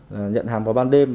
để nhận hàng vào ban đêm